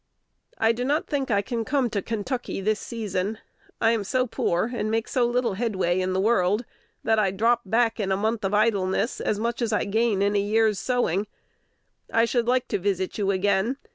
I do not think I can come to Kentucky this season. I am so poor, and make so little headway in the world, that I drop back in a month of idleness as much as I gain in a year's sowing. I should like to visit you again.